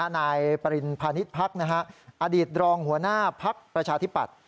นายปริณพาณิชยพักอดีตรองหัวหน้าภักดิ์ประชาธิปัตย